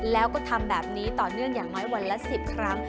แล้วก็ทำแบบนี้ต่อเนื่องอย่างน้อยวันละ๑๐ครั้ง